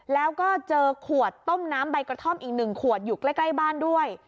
แล้วก็เจอขวดต้มน้ำใบกระท่อมอีก๑ขวดอยู่ใกล้บ้านด้วย